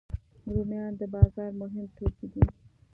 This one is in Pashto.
رومیان د بازار مهم توکي دي